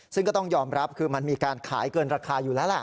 ซึ่งก็ต้องยอมรับคือมันมีการขายเกินราคาอยู่แล้วล่ะ